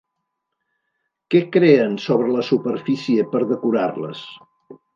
Què creen sobre la superfície per decorar-les?